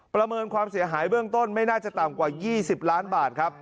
ประเมินความเสียหายเบื้องต้นไม่น่าจะต่ำกว่า๒๐ล้านบาทครับ